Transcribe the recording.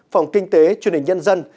phòng kinh tế truyền hình nhân dân